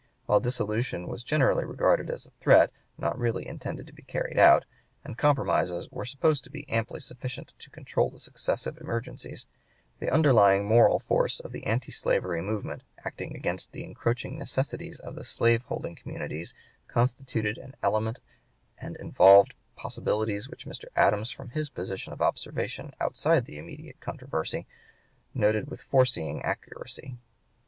While dissolution was generally regarded as a threat not really intended to be carried out, and compromises were supposed to be amply sufficient to control the successive emergencies, the underlying moral force of the anti slavery movement acting against the encroaching necessities of the slave holding communities constituted an element and involved possibilities which Mr. Adams, from his position of observation outside the immediate controversy, noted with foreseeing accuracy.